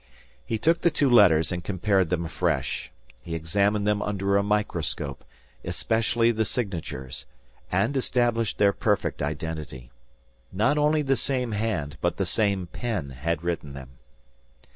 He took the two letters and compared them afresh. He examined them under a microscope, especially the signatures, and established their perfect identity. Not only the same hand, but the same pen had written them.